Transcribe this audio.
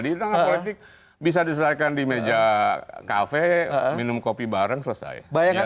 di tengah politik bisa diselesaikan di meja kafe minum kopi bareng selesai